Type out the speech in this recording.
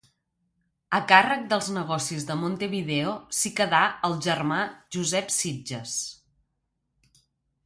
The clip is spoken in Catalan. A càrrec dels negocis de Montevideo s’hi quedà el germà Josep Sitges.